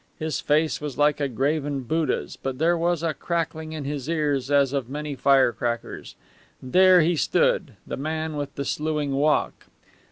His face was like a graven Buddha's, but there was a crackling in his ears as of many fire crackers. There he stood the man with the sluing walk!